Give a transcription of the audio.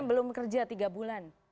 belum kerja tiga bulan